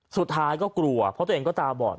สุดท้ายก็กลัวเพราะตัวเองก็ตาบอด